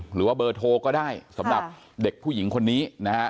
หรือว่าเบอร์โทรก็ได้สำหรับเด็กผู้หญิงคนนี้นะฮะ